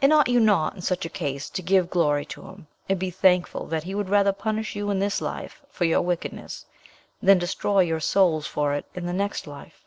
And ought you not, in such a case, to give glory to him, and be thankful that he would rather punish you in this life for your wickedness than destroy your souls for it in the next life?